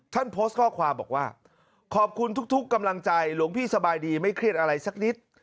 โพสต์ข้อความบอกว่าขอบคุณทุกกำลังใจหลวงพี่สบายดีไม่เครียดอะไรสักนิด